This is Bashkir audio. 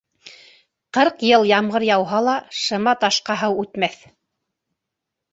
Ҡырҡ йыл ямғыр яуһа ла, шыма ташка һыу үтмәҫ.